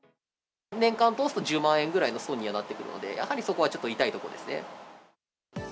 年間通すと１０万円ぐらいの損にはなってくるので、やはり、そこはちょっと痛いところですね。